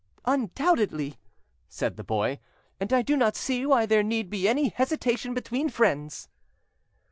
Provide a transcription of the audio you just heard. "Undoubtedly," said the boy; "and I do not see why there need be any hesitation between friends."